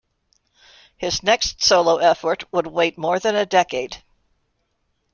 His next solo effort would wait more than a decade.